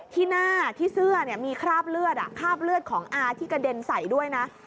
ที่หน้าที่เสื้อมีคราบเลือดคราบเลือดของอาที่กระเด็นใส่ด้วยนะ